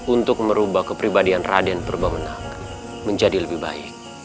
untuk merubah kepribadian raden perubah menang menjadi lebih baik